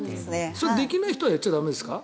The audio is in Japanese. それできない人はやっちゃ駄目ですか？